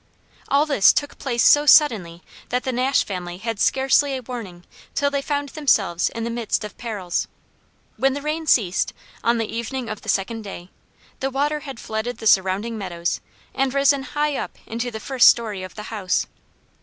All this took place so suddenly that the Nash family had scarcely a warning till they found themselves in the midst of perils. When the rain ceased, on the evening of the second day, the water had flooded the surrounding meadows and risen high up into the first story of the house.